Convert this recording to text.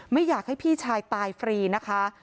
ไม่อยากให้พี่ชายตายฟรีนะคะ